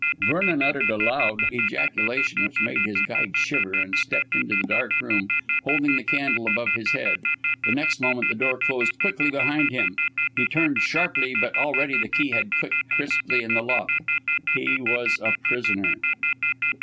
Vernon uttered a loud ejaculation, which made his guide shiver, and stepped into the dark room, holding the candle above his head. The next moment the door closed quickly behind him. He turned sharply, but already the key had clicked crisply in the lock. He was a prisoner.